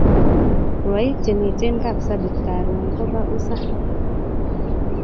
Rwaik che miten Kapsabet karun ko ba usa